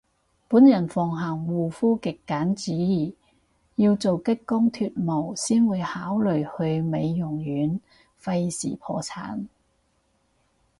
本人奉行護膚極簡主義，要做激光脫毛先會考慮去美容院，廢事破產